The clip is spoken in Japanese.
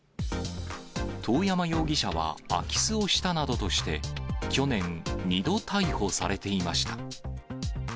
遠山容疑者は、空き巣をしたなどとして、去年、２度逮捕されていました。